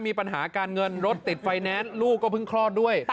มีปัญหาการเงินรถติดไฟแนนซ์ลูกก็เพิ่งคลอดด้วย